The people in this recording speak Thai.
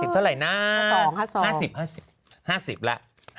๕๐เท่าไหร่นะ